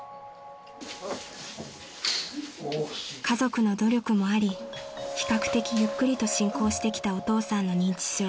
［家族の努力もあり比較的ゆっくりと進行してきたお父さんの認知症］